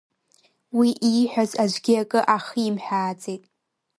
Уи ииҳәаз аӡәгьы акы ахимҳәааӡеит.